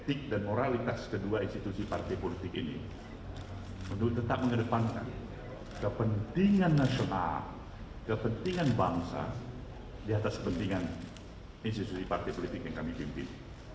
etik dan moralitas kedua institusi partai politik ini tetap mengedepankan kepentingan nasional kepentingan bangsa di atas kepentingan institusi partai politik yang kami pimpin